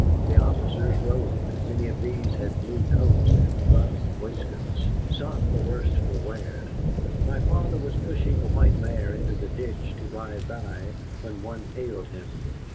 The officers rode, and many of these had blue coats and buff waistcoats, some the worse for wear. My father was pushing the white mare into the ditch to ride by, when one hailed him.